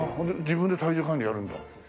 自分で体重管理やるんだ。